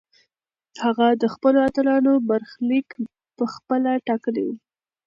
هغه د خپلو اتلانو برخلیک پخپله ټاکلی و.